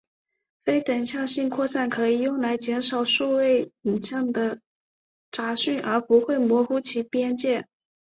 非等向性扩散可以用来减少数位影像的杂讯而不会模糊其边界。